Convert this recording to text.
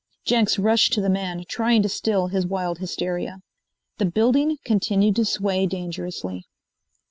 Jenks rushed to the man, trying to still his wild hysteria. The building continued to sway dangerously.